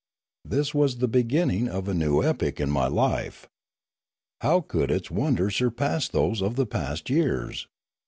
This was the beginning of a new epoch in my new life. How could its wonders surpass those of the past years!